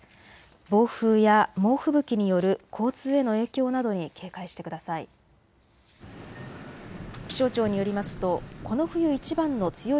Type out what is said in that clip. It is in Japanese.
暴風や猛吹雪による交通への影響などに警戒してください。